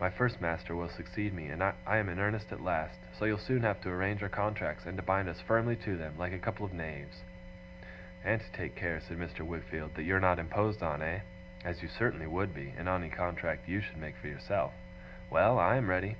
'My first master will succeed me I am in earnest at last so you'll soon have to arrange our contracts, and to bind us firmly to them, like a couple of knaves.' 'And to take care,' said Mr. Wickfield, 'that you're not imposed on, eh? As you certainly would be, in any contract you should make for yourself. Well! I am ready.